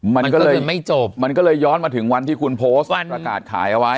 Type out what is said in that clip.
มันก็เลยไม่จบมันก็เลยย้อนมาถึงวันที่คุณโพสต์ประกาศขายเอาไว้